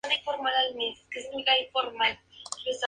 El volcán es el punto más alto en Yibuti.